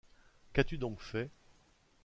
Qu’as-tu donc fait ?